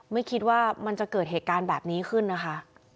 ไม่คิดว่ามันจะเกิดเหตุการณ์แบบนี้ขึ้นนะคะ